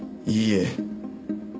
いいえ。